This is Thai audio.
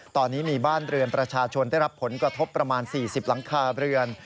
ตอนนี้มีบ้านเรือนประชาชนได้รับผลกระทบประมาณ๔๐หลังคาเรือน